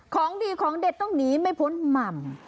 ของดีของเด็ดต้องหนีไม่พ้นหม่ำ